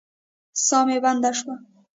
ساه مې بنده شوه.